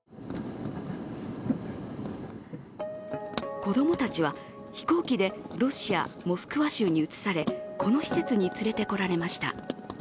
子供たちは飛行機でロシア・モスクワ州に移され、この施設に連れてこられました。